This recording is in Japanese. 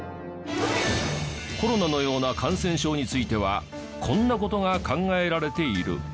コロナのような感染症についてはこんな事が考えられている。